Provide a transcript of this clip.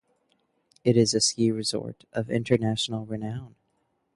It is a ski resort of international renown.